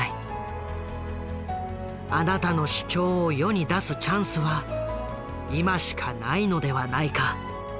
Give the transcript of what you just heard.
あなたの主張を世に出すチャンスは今しかないのではないか」。